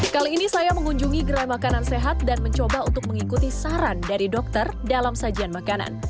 kali ini saya mengunjungi gerai makanan sehat dan mencoba untuk mengikuti saran dari dokter dalam sajian makanan